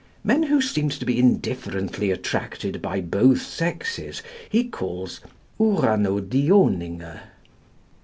Men who seemed to be indifferently attracted by both sexes, he calls Uranodioninge.